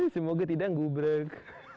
semoga tidak ngubrek